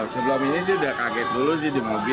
sebelum ini dia udah kaget dulu di mobil